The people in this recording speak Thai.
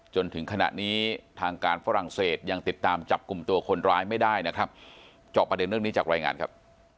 จนถึงขณะนี้ทางการฝรั่งเศสยังติดตามจับกลุ่มตัวคนร้ายไม่ได้นะครับจอบประเด็นเรื่องนี้จากรายงานครับ